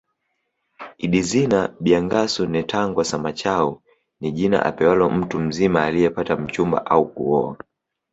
Idizina bya Ngasu netangwa Samachau ni jina apewalo mtu mzima aliyepata mchumba na kuoa